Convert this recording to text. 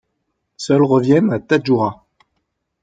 Seuls reviennent à Tadjoura.